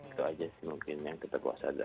itu aja sih mungkin yang kita puasa